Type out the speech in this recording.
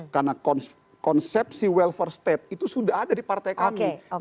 karena konsep si welfare state itu sudah ada di partai kami